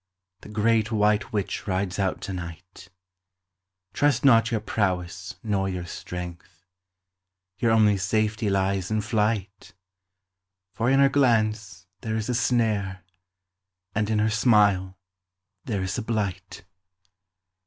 The great white witch rides out to night, Trust not your prowess nor your strength; Your only safety lies in flight; For in her glance there is a snare, And in her smile there is a blight.